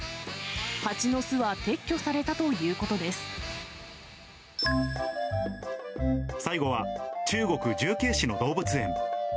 蜂の巣は撤去されたということで最後は、中国・重慶市の動物園。